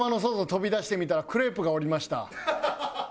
飛び出してみたらクレープがおりました。